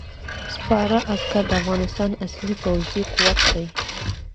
سپاره عسکر د افغانستان اصلي پوځي قوت دی.